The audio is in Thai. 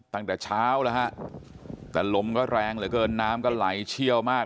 ตั้งแต่เช้าแล้วฮะแต่ลมก็แรงเหลือเกินน้ำก็ไหลเชี่ยวมาก